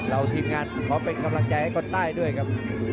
ทีมงานขอเป็นกำลังใจให้คนใต้ด้วยครับ